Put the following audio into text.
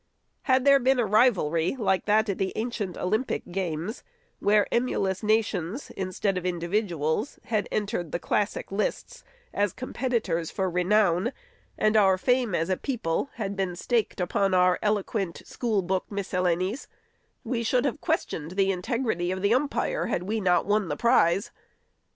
Had there been a rivalry, like that at the 540 THE SECRETARY'S ancient Olympic games, where emulous nations, instead of individuals, had entered the classic lists, as competitors for renown, and our fame as a people had been staked upon our eloquent, school book miscellanies, we should have questioned the integrity of the umpire, had we not won the prize.